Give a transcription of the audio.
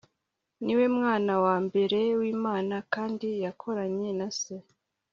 ni we mwana wa mbere w imana kandi yakoranye na se